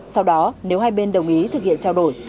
sau đó nếu hai bên đồng ý thực hiện trao đổi